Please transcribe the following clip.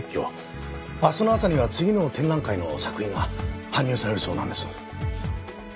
明日の朝には次の展覧会の作品が搬入されるそうなんです。